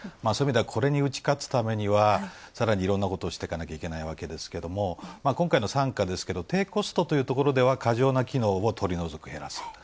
そういう意味ではこれに打ち勝つためにはさらにいろんなことをしていかなければいけないわけですけど今回のＳＡＮＫＡですけど、低コストというところでは過剰な機能を取り除きます。